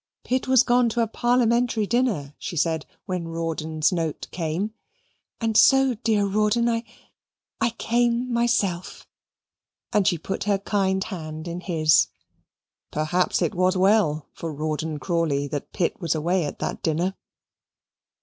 "Pitt was gone to a parliamentary dinner," she said, "when Rawdon's note came, and so, dear Rawdon, I I came myself"; and she put her kind hand in his. Perhaps it was well for Rawdon Crawley that Pitt was away at that dinner.